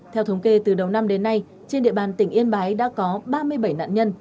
theo thống kê từ đầu năm đến nay trên địa bàn tỉnh yên bái đã có ba mươi bảy nạn nhân